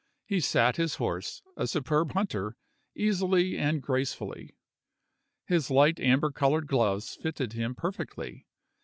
He sat his horse, a superb hunter, easily and gracefully. His light amber colored gloves fitted him perfectly.